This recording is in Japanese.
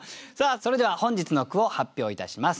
それでは本日の句を発表いたします。